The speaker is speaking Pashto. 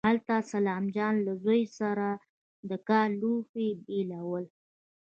هلته سلام جان له زوی سره د کار لوښي بېلول.